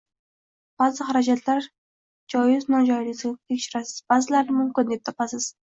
Ba’zi xarajatlar joiz-nojoizligini tekshirasiz ba’zilarini mumkin deb topasiz.